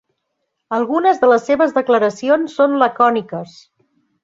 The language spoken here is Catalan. Algunes de les seves declaracions són lacòniques.